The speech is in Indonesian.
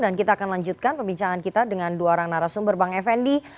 dan kita akan lanjutkan perbincangan kita dengan dua orang narasumber bang effendi